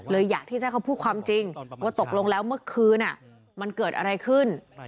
อยากที่จะให้เขาพูดความจริงว่าตกลงแล้วเมื่อคืนมันเกิดอะไรขึ้น